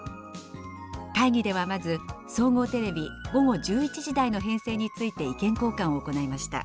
会議ではまず総合テレビ午後１１時台の編成について意見交換を行いました。